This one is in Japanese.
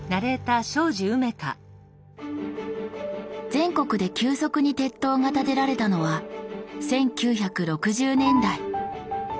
全国で急速に鉄塔が建てられたのは１９６０年代。